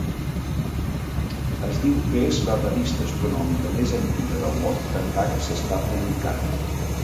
Es diu que és la revista astronòmica més antiga del món que encara s'està publicant.